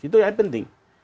itu yang penting